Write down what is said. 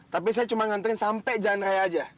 tapi saya cuma nganterin sampai jalan raya aja